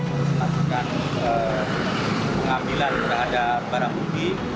melakukan pengambilan sudah ada barang buki